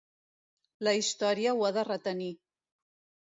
La història ho ha de retenir.